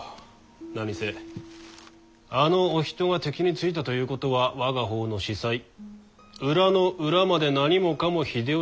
何せあのお人が敵についたということは我が方の子細裏の裏まで何もかも秀吉に渡ったと見るべきでござる。